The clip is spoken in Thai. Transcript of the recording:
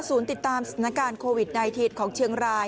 ติดตามสถานการณ์โควิด๑๙ของเชียงราย